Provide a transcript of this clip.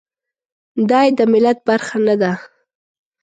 دای د ملت برخه نه ده.